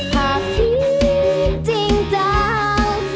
ถ้าคิดจริงจัง